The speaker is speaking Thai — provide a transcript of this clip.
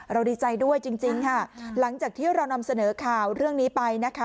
ดีใจด้วยจริงค่ะหลังจากที่เรานำเสนอข่าวเรื่องนี้ไปนะคะ